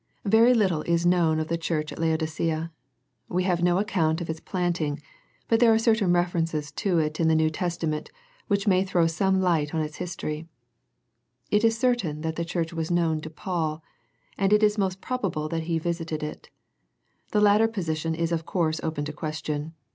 Very little is known of the church at Laodi cea. We have no account of its planting, but there are certain references to it in the New Testament which may throw some light oh its history. It is certain that the church was known to Paul, and it is most probable that he visited it. The latter position is of course open to question.